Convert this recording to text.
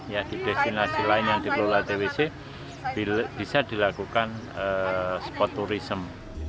ya di destinasi lain yang dikelola tbc bisa dilakukan sporturism